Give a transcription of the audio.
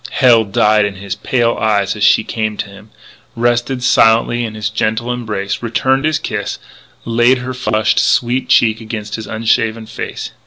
Hell died in his pale eyes as she came to him, rested silently in his gentle embrace, returned his kiss, laid her flushed, sweet cheek against his unshaven face.